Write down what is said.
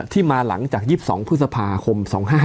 มาหลังจาก๒๒พฤษภาคม๒๕๕๙